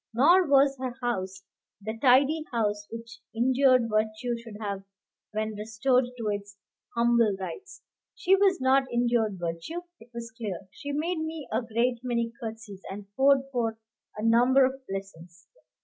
Nor was her house the tidy house which injured virtue should have when restored to its humble rights. She was not injured virtue, it was clear. She made me a great many curtseys, and poured forth a number of blessings.